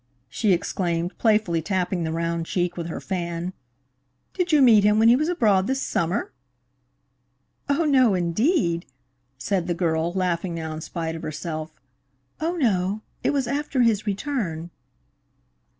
she exclaimed, playfully tapping the round cheek with her fan. "Did you meet him when he was abroad this summer?" "Oh, no, indeed!" said the girl, laughing now in spite of herself. "Oh, no; it was after his return."